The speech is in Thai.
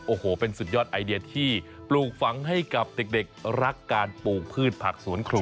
โอ้โหเป็นสุดยอดไอเดียที่ปลูกฝังให้กับเด็กรักการปลูกพืชผักสวนครัว